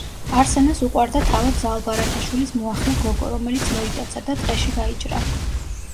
არსენას უყვარდა თავად ზაალ ბარათაშვილის მოახლე გოგო, რომელიც მოიტაცა და ტყეში გაიჭრა.